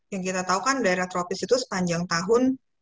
yang kita tahu kan daerah tropis itu sepanjang tahun